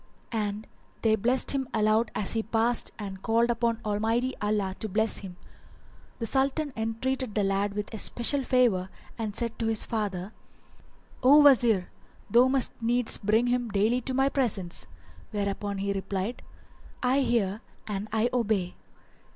[FN#388] And they blessed him aloud as he passed and called upon Almighty Allah to bless him. [FN#389] The Sultan entreated the lad with especial favour and said to his father, "O Wazir, thou must needs bring him daily to my presence;" whereupon he replied, "I hear and I obey."